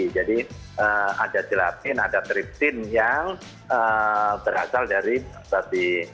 jadi ada gelatin ada triptin yang berasal dari babi